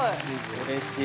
うれしい。